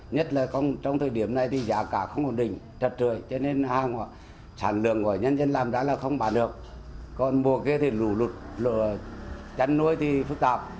nhất là trong thời điểm này thì giá cả không ổn định trật trời cho nên sản lượng của nhân dân làm ra là không bán được còn mùa kia thì lù lụt chăn nuôi thì phức tạp